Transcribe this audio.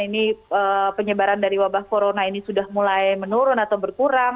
ini penyebaran dari wabah corona ini sudah mulai menurun atau berkurang